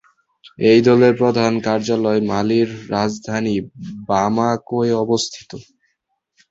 এই দলের প্রধান কার্যালয় মালির রাজধানী বামাকোয় অবস্থিত।